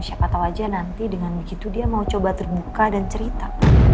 siapa tahu aja nanti dengan begitu dia mau coba terbuka dan cerita